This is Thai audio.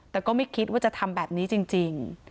แต่ก็ไม่คิดว่าจะทำแบบนี้จริง